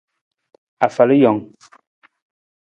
Afalijang.